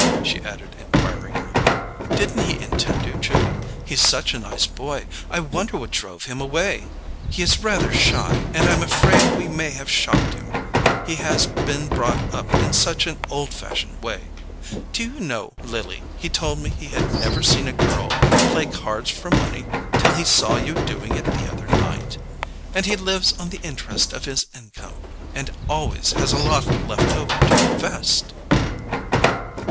she added enquiringly. "Didn't he intend to, Judy? He's such a nice boy—I wonder what drove him away? He is rather shy, and I'm afraid we may have shocked him: he has been brought up in such an old fashioned way. Do you know, Lily, he told me he had never seen a girl play cards for money till he saw you doing it the other night? And he lives on the interest of his income, and always has a lot left over to invest!"